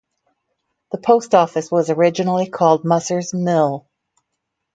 The post office was originally called Musser's Mill.